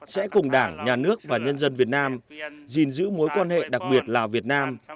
sẽ cùng đảng nhà nước và nhân dân việt nam gìn giữ mối quan hệ đặc biệt lào việt nam